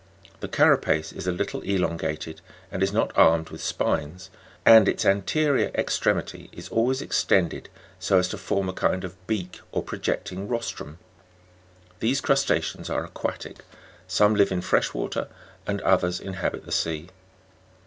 The carapace is a little elongated, and is not armed with spines, and its anterior extremity is always extended so as to form a kind of beak or projecting rostrum (Jig. 65, r). These crusta'ceans are aquatic ; some live in fresh water, and others inhabit the sea.